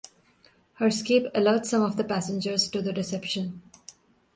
Her escape alerts some of the passengers to the deception.